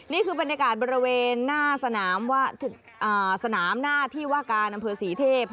นี่คือบรรยากาศบริเวณหน้าสนามหน้าที่ว่าการอำเภอศรีเทพ